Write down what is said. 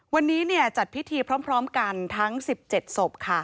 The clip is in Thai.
วันนี้จัดพิธีพร้อมกันทั้ง๑๗ศพค่ะ